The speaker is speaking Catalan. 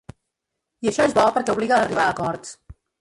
I això és bo perquè obliga a arribar a acords.